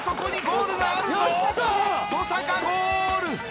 登坂ゴール！